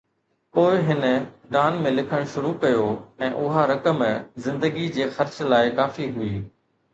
پوءِ هن ڊان ۾ لکڻ شروع ڪيو ۽ اها رقم زندگي جي خرچ لاءِ ڪافي هئي.